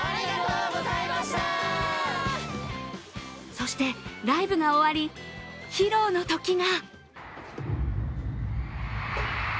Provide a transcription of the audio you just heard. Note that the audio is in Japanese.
そして、ライブが終わり、披露の時が。